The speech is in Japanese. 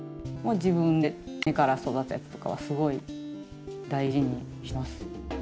自分でタネから育てたやつとかはすごい大事にしてます。